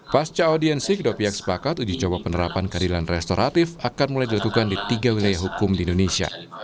pasca audiensi kedua pihak sepakat uji coba penerapan keadilan restoratif akan mulai dilakukan di tiga wilayah hukum di indonesia